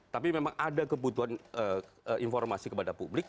tapi memang ada kebutuhan informasi kepada publik